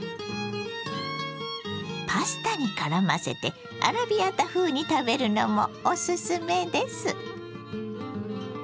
パスタにからませてアラビアータ風に食べるのもおすすめです。